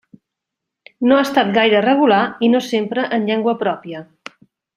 No ha estat gaire regular i no sempre en llengua pròpia.